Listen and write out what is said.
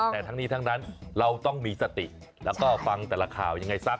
แต่ทั้งนี้ทั้งนั้นเราต้องมีสติแล้วก็ฟังแต่ละข่าวยังไงซะ